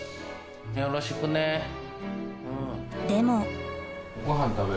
よろしくねうん。